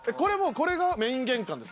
これ、メイン玄関です。